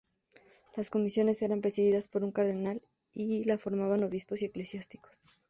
Las comisiones eran presididas por un cardenal y la formaban obispos y eclesiásticos.